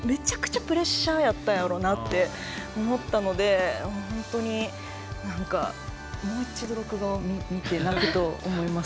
めちゃくちゃプレッシャーやったんやろなって思ったので本当になんか、もう一度これを見て泣くと思います。